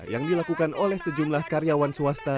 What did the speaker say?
yang dilakukan oleh sejumlah karyawan swasta